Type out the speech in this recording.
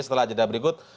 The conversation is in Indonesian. setelah jeda berikut